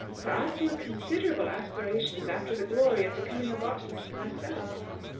for I feel considerable aspirations after the glory of becoming a botanist myself."